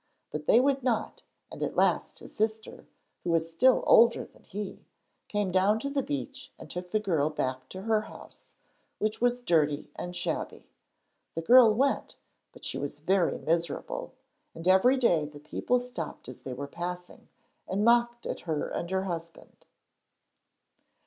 But they would not, and at last his sister, who was still older than he, came down to the beach and took the girl back to her house, which was dirty and shabby. The girl went, but she was very miserable, and every day the people stopped as they were passing, and mocked at her and her husband.